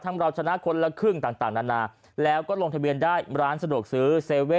เราชนะคนละครึ่งต่างนานาแล้วก็ลงทะเบียนได้ร้านสะดวกซื้อ๗๑๑